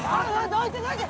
どいてどいて！